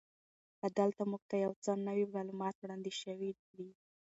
که دلته موږ ته یو څه نوي معلومات وړاندې شوي وی.